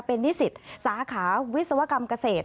เป็นนิสิตสาขาวิศวกรรมเกษตร